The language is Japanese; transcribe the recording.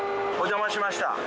お邪魔しました。